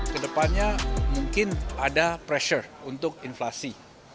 kedepannya mungkin ada pressure untuk inflasi